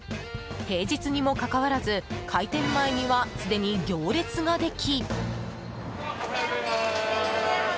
平日にもかかわらず開店前には、すでに行列ができ。